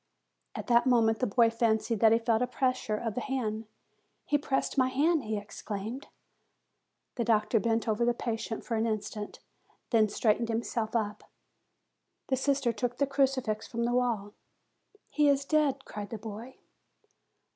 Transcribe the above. At that moment the lad fancied that he felt a pres sure of the hand. "He pressed my hand!" he ex claimed. The doctor bent over the patient for an instant, then straightened himself up. The sister took a crucifix from the wall. "He is dead!" cried the boy.